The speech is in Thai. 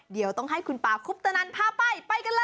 เดี๋ยวต้องให้คุณป่าคุปตนันพาไปไปกันเลย